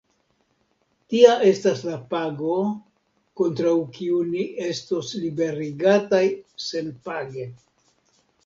Tia estas la pago, kontraŭ kiu ni estos liberigataj senpage!